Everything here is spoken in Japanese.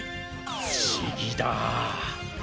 不思議だ。